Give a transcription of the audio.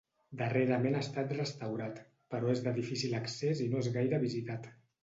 Darrerament ha estat restaurat, però és de difícil accés i no és gaire visitat.